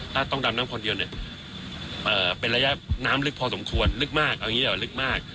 ถ้าต้องดำน้ำคนเดียวเนี่ยเป็นระยะน้ำลึกพอสมควรลึกมาก